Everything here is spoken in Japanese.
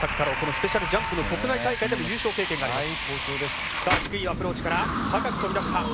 スペシャルジャンプの国内大会でも優勝経験があります。